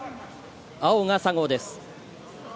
青が佐合です。